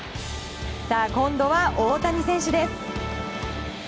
今度は大谷選手です。